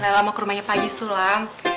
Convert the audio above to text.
lella mau ke rumahnya pagi sulam